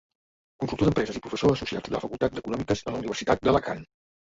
Consultor d’Empreses i professor associat de la Facultat d’Econòmiques de la Universitat d’Alacant.